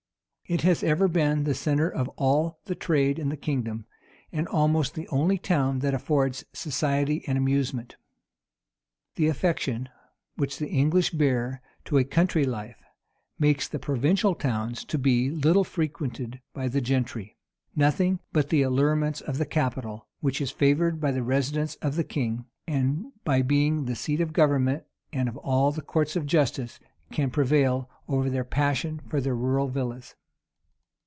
It has ever been the centre of all the trade in the kingdom; and almost the only town that affords society and amusement. The affection which the English bear to a country life, makes the provincial towns be little frequented by the gentry. Nothing but the allurements of the capital, which is favored by the residence of the king, and by being the seat of government and of all the courts of justice, can prevail over their passion for their rural villas.